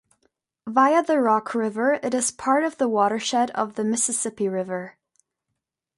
Via the Rock River, it is part of the watershed of the Mississippi River.